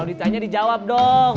kalo ditanya dijawab dong